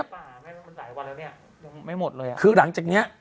ไม่หมดเลยคือหลังจากเนี้ย